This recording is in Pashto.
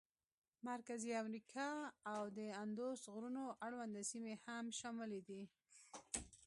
مرکزي امریکا او د اندوس غرونو اړونده سیمې هم شاملې دي.